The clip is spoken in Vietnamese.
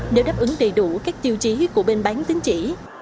đáp ứng đầy đủ các tiêu chí của bên bán tính trị